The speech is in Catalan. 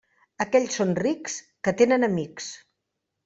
Aquells són rics, que tenen amics.